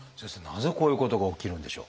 なぜこういうことが起きるんでしょう？